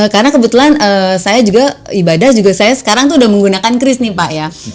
karena kebetulan saya juga ibadah juga saya sekarang sudah menggunakan kris nih pak ya